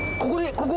ここ？